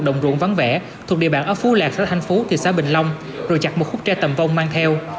đồng ruộng vắng vẻ thuộc địa bản ở phú lạc xã thanh phú thị xã bình long rồi chặt một khúc tre tầm vong mang theo